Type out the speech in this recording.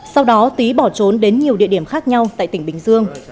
sau đó tý bỏ trốn đến nhiều địa điểm khác nhau tại tỉnh bình dương